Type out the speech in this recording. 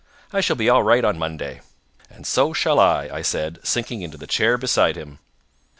I shall be all right on Monday." "And so shall I," I said, sinking into the chair beside him.